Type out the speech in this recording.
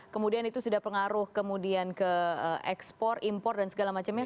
kemudian itu sudah pengaruh kemudian ke ekspor impor dan segala macamnya